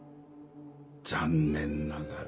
残念ながら。